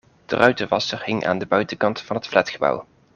De ruitenwasser hing aan de buitenkant van het flatgebouw.